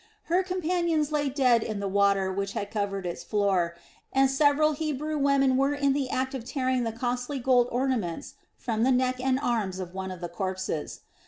Her companions lay dead in the water which had covered its floor, and several Hebrew women were in the act of tearing the costly gold ornaments from the neck and arms of one of the corpses.